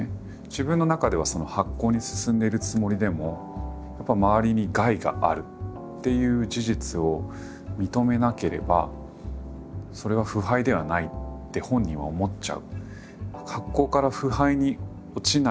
自分の中ではその発酵に進んでいるつもりでも周りに害があるっていう事実を認めなければそれは腐敗ではないって本人は思っちゃう。